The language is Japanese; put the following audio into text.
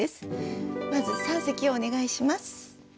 まず三席をお願いします。